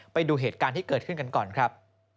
ไปดูเหตุการณ์ที่เกิดขึ้นกันก่อนครับ